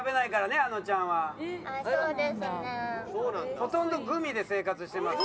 ほとんどグミで生活してますから。